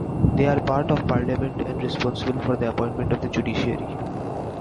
They are part of Parliament and responsible for the appointment of the judiciary.